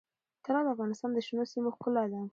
طلا د افغانستان د شنو سیمو ښکلا ده.